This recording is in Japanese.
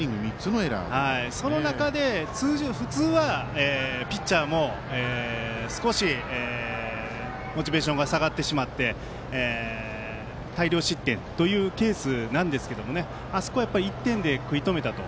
その中ではピッチャーも少しモチベーションが下がってしまって大量失点というケースなんですがあそこ、１点で食い止めたと。